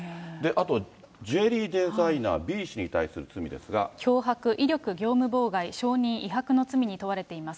あとジュエリーデザイナー、脅迫、威力業務妨害、証人威迫の罪に問われています。